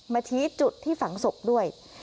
ชี้จุดที่ฝังศพด้วย